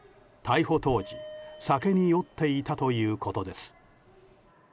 逮捕当時、酒に酔っていたということです。